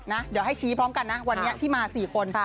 เดี๋ยวให้ชี้พร้อมกันนะวันนี้ที่มา๔คน